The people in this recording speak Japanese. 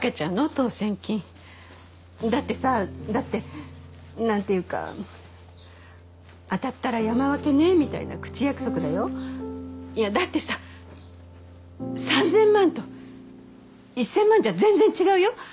当せん金だってさだってなんていうか当たったら山分けねみたいな口約束だよいやだってさ３０００万と１０００万じゃ全然違うよ